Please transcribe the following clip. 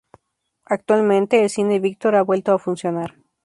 Actualmente, el Cine Víctor ha vuelto a funcionar.